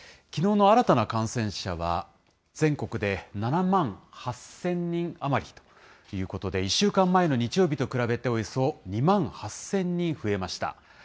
きのうの新たな感染者は全国で７万８０００人余りということで、１週間前の日曜日と比べて、およそ２万８０００人増えました。